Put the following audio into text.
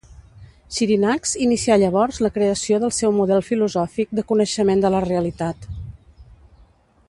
Xirinacs inicià llavors la creació del seu model filosòfic de coneixement de la realitat.